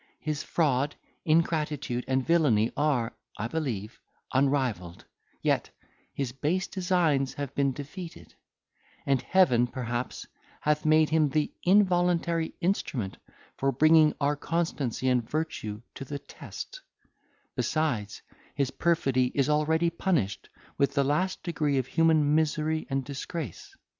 His fraud, ingratitude, and villany are, I believe, unrivalled; yet his base designs have been defeated; and Heaven perhaps hath made him the involuntary instrument for bringing our constancy and virtue to the test; besides, his perfidy is already punished with the last degree of human misery and disgrace.